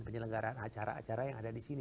penyelenggaraan acara acara yang ada di sini